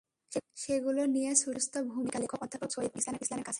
সেগুলো নিয়ে ছুটলেন বিশিষ্ট ভূমিকা লেখক অধ্যাপক সৈয়দ মনিরুল ইসলামের কাছে।